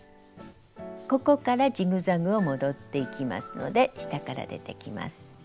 ここからジグザグを戻っていきますので下から出てきます。